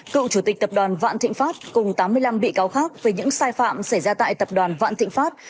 cựu chủ tịch tập đoàn vạn thịnh pháp cùng tám mươi năm bị cáo khác về những sai phạm xảy ra tại tập đoàn vạn thịnh pháp